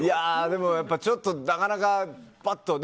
でもちょっとなかなか。